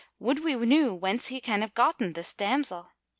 [FN#254] Would we knew whence he can have gotten this damsel?"